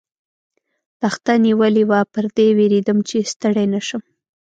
تخته نیولې وه، پر دې وېرېدم، چې ستړی نه شم.